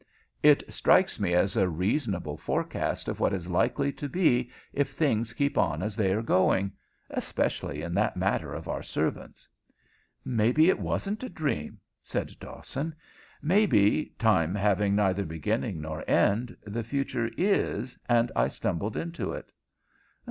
It strikes me as a reasonable forecast of what is likely to be if things keep on as they are going. Especially in that matter of our servants." "Maybe it wasn't a dream," said Dawson. "Maybe, time having neither beginning nor ending, the future is, and I stumbled into it."